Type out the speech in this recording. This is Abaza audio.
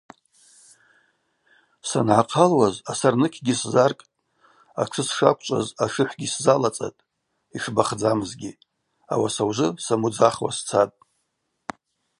Сангӏахъалуаз асарныкьгьи сзаркӏтӏ, атшы сшаквчӏваз ашыхӏвгьи йсзалацӏатӏ – йшбахдзамызгьи, ауаса ужвы самудзахуа сцатӏ.